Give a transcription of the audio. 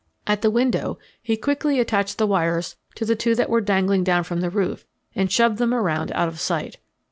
At the window he quickly attached the wires to the two that were dangling down from the roof and shoved them around out of sight.